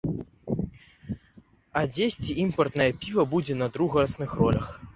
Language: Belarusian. А дзесьці імпартнае піва будзе на другасных ролях.